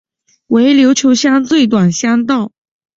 为琉球乡最短乡道。